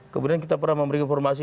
kemudian kita pernah memberi informasi